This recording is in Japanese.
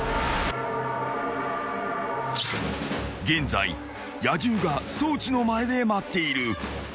［現在野獣が装置の前で待っている］